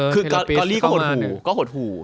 กอลลี่ก็หดหู